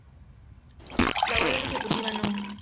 La Orden Ejecutiva No.